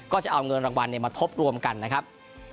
ก็จะเอาเงินรางวัลมาทบรวมกันนะครับ